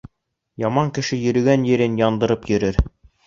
Яман кеше йөрөгән ерен яндырып йөрөр.